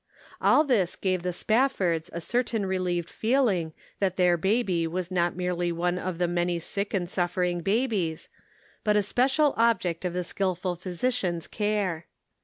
All this gave the Spaffords a certain relieved feeling that their baby was not merely one of the many sick and suffering babies, but a special object of the skillful physician's care.